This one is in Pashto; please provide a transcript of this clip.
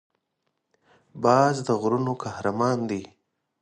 باز د غرونو قهرمان دی